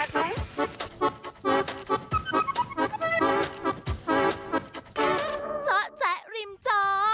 จ๊ะจ๊ะริมจ๋อ